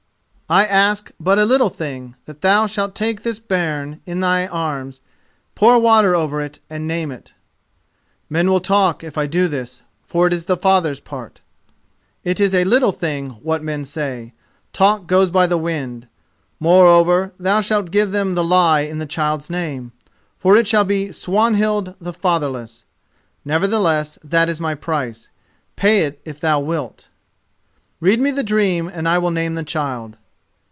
"I ask but a little thing: that thou shalt take this bairn in thy arms, pour water over it and name it." "Men will talk if I do this, for it is the father's part." "It is a little thing what men say: talk goes by as the wind. Moreover, thou shalt give them the lie in the child's name, for it shall be Swanhild the Fatherless. Nevertheless that is my price. Pay it if thou wilt." "Read me the dream and I will name the child."